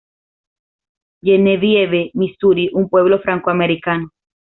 Genevieve, Misuri, un pueblo franco-americano.